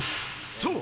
そう！